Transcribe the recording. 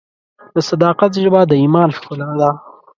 د صداقت ژبه د ایمان ښکلا ده.